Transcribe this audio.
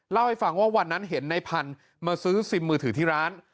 เล่าให้ฟังว่าวันนั้นเห็นในพันธุ์มาซื้อซิมมือถือที่ร้าน